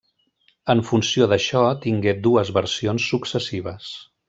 En funció d'això tingué dues versions successives.